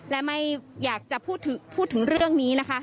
และไม่อยากจะพูดถึงเรื่องนี้นะคะ